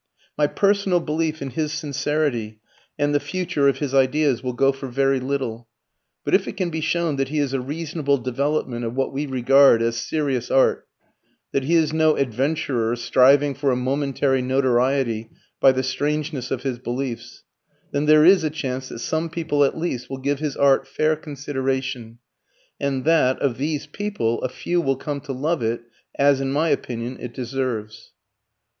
My personal belief in his sincerity and the future of his ideas will go for very little, but if it can be shown that he is a reasonable development of what we regard as serious art, that he is no adventurer striving for a momentary notoriety by the strangeness of his beliefs, then there is a chance that some people at least will give his art fair consideration, and that, of these people, a few will come to love it as, in my opinion, it deserves.